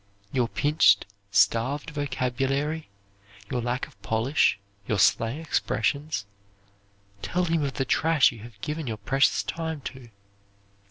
Your pinched, starved vocabulary, your lack of polish, your slang expressions, tell him of the trash you have given your precious time to.